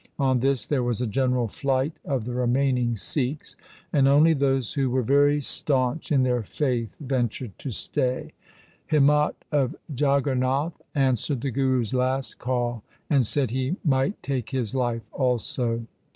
On this there was a general flight of the remaining Sikhs, and only those who were very staunch in their faith ventured to stay. Himmat of Jaggannath answered the Guru's last call, and said he might take his life also.